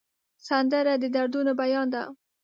سندره د دردونو بیان ده